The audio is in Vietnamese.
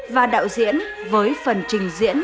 và đạo diễn với phần trình diễn